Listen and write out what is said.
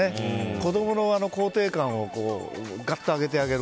子供の肯定感をがっと上げてあげる。